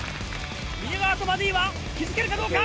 宮川とバディは気付けるかどうか？